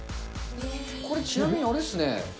これ、ちなみに、あれですね。